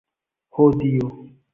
Ho Dio!